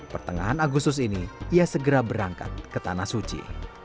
pertengahan agustus ini ia segera berangkat ke tanah suci